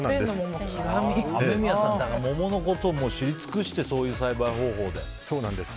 雨宮さん桃のこと知り尽くしてそういう栽培方法で。